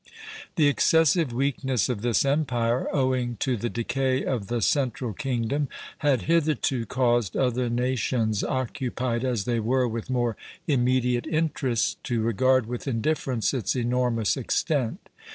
The excessive weakness of this empire, owing to the decay of the central kingdom, had hitherto caused other nations, occupied as they were with more immediate interests, to regard with indifference its enormous extent.